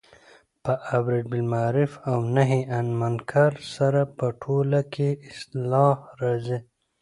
په امرباالمعرف او نهي عن المنکر سره په ټوله کي اصلاح راځي